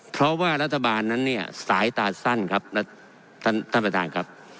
เพราะว่ารัฐบาลนั้นเนี่ยสายตาสั้นครับและท่านประธานครับ